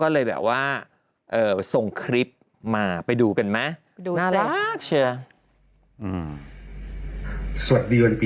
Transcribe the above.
เรามีสติ